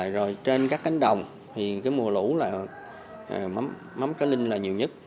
rồi trên các cánh đồng thì cái mùa lũ là mắm cá linh là nhiều nhất